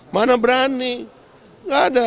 mana berani nggak ada